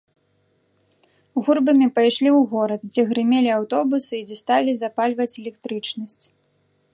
Гурбамі пайшлі ў горад, дзе грымелі аўтобусы і дзе сталі запальваць электрычнасць.